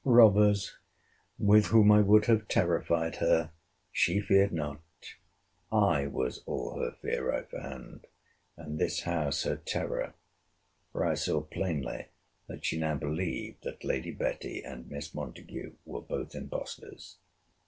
Robbers, with whom I would have terrified her, she feared not—I was all her fear, I found; and this house her terror: for I saw plainly that she now believed that Lady Betty and Miss Montague were both impostors.